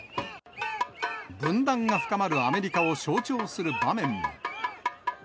分断が深まるアメリカを象徴する場面も。